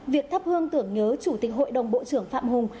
việc thắp hương tưởng nhớ chủ tịch hội đồng bộ trưởng phạm hùng